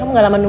ambil si apu